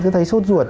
thấy suốt ruột